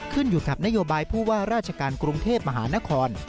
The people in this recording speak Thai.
ขึ้นอยู่กับนโยบายผู้ว่าราชการกรุงเทพมหานคร